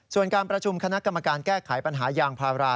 ส่วนการประชุมคณะกรรมการแก้ไขปัญหายางพารา